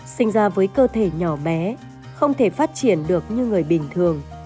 sinh ra với cơ thể nhỏ bé không thể phát triển được như người bình thường